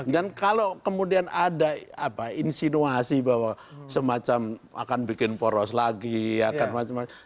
dan kalau kemudian ada insinuasi bahwa semacam akan bikin poros lagi akan macam macam